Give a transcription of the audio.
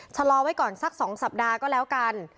ชะลอไว้ก่อนสัก๒สัปดาห์ก็แล้วกัน